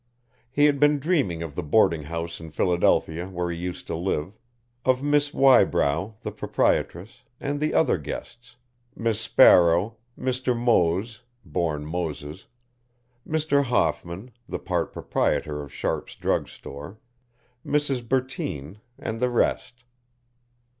He had been dreaming of the boarding house in Philadelphia where he used to live, of Miss Wybrow, the proprietress, and the other guests, Miss Sparrow, Mr. Moese born Moses Mr. Hoffman, the part proprietor of Sharpes' Drug Store, Mrs. Bertine, and the rest.